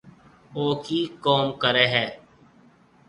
او ڪِي ڪم ڪري هيَ۔